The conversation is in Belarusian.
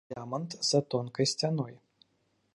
Лямант за тонкай сцяной.